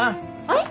はい。